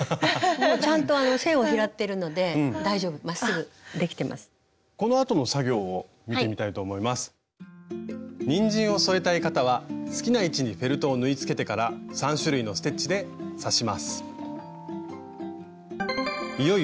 にんじんを添えたい方は好きな位置にフェルトを縫いつけてから３種類のステッチで刺します。